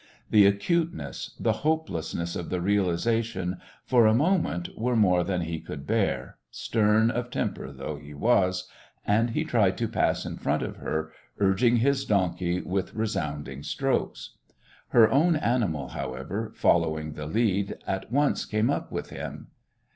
The acuteness, the hopelessness of the realisation, for a moment, were more than he could bear, stern of temper though he was, and he tried to pass in front of her, urging his donkey with resounding strokes. Her own animal, however, following the lead, at once came up with him.